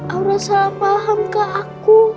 aura salah paham ke aku